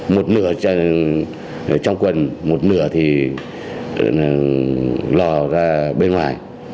một nửa trong quần một nửa thì lò ra bên ngoài